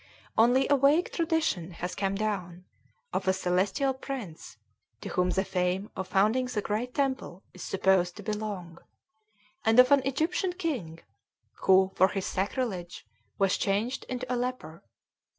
Only a vague tradition has come down, of a celestial prince to whom the fame of founding the great temple is supposed to belong; and of an Egyptian king, who, for his sacrilege, was changed into a leper.